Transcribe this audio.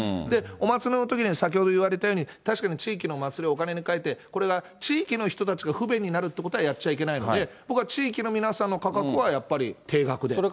お祭りのときに先ほど言われたように、確かに地域のお祭りをお金に換えて、これが地域の人たちが不便になるということはやっちゃいけないので、僕は地域の皆さんの価格はやっぱりていがくで。